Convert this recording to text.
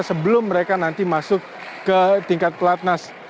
sebelum mereka nanti masuk ke tingkat pelatnas